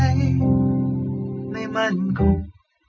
หัวใจไม่มั่นคง